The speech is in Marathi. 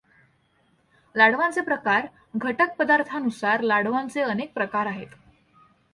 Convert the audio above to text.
लाडवांचे प्रकार घटकपदार्थांनुसार लाडवांचे अनेक प्रकार आहेत.